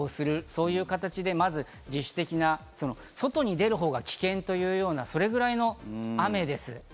そういう形でまず自主的な、外に出るほうが危険というような、それぐらいの雨です。